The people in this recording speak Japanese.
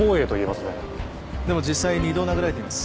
でも実際２度殴られています。